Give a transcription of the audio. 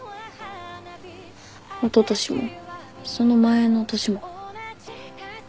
おととしもその前の年も。